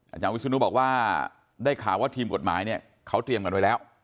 อาจารย์วิศนุบอกว่าได้ข่าวว่าทีมกฎหมายเนี่ยเขาเตรียมกันไว้แล้ว